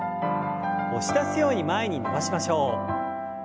押し出すように前に伸ばしましょう。